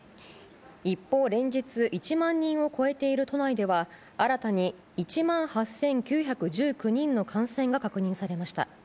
一方、連日１万人を超えている都内では、新たに１万８９１９人の感染が確認されました。